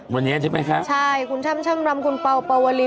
วันนี้ใช่ไหมคะใช่คุณช่ำช่ำรำคุณเป่าเป่าวลี